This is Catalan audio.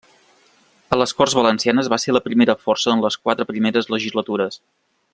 A les Corts Valencianes va ser la primera força en les quatre primeres legislatures.